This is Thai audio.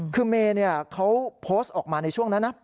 คือเมย์เขาโพสต์ออกมาในช่วงนั้นนะ